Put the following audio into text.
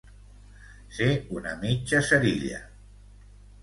Ser un mitjacerilla.